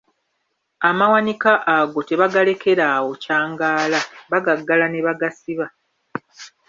Amawanika ago tebagalekera awo kyangaala, bagaggala ne bagasiba.